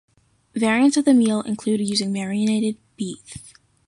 Variants of the meal include using marinated beef.